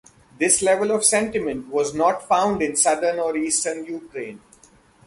This level of sentiment was not found in Southern or Eastern Ukraine.